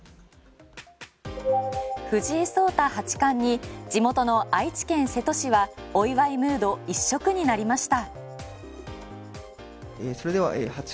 藤井聡太八冠に地元の愛知県瀬戸市はお祝いムード一色になりました。